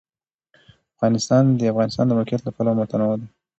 افغانستان د د افغانستان د موقعیت له پلوه متنوع دی.